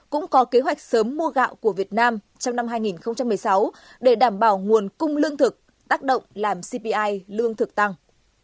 cũng có kế hoạch sớm mua gạo của việt nam trong năm hai nghìn một mươi sáu để đảm bảo nguồn cung lương thực tác động làm cpi lương thực tăng